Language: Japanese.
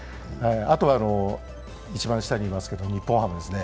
あとは一番下にいますけれども、日本ハムですね。